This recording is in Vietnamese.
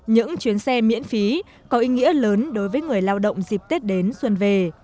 những chuyến xe miễn phí có ý nghĩa lớn đối với người lao động dịp tết đến xuân về